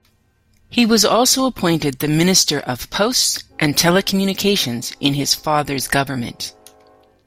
He was also appointed the Minister of Posts and Telecommunications in his father's government.